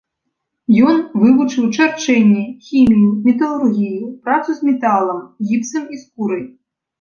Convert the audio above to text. Ён вывучыў чарчэнне, хімію, металургію, працу з металам, гіпсам і скурай.